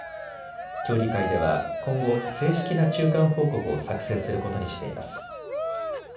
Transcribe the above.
協議会では今後、正式な中間報告を作成することにしています。